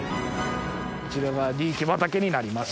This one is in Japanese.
こちらがリーキ畑になります。